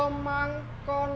sma dua bantul